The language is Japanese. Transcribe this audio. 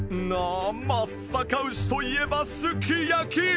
松阪牛といえばすきやき！